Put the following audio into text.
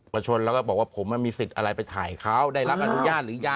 พลิกต๊อกเต็มเสนอหมดเลยพลิกต๊อกเต็มเสนอหมดเลย